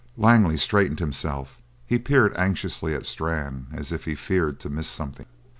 Langley straightened himself. He peered anxiously at Strann, as if he feared to miss something.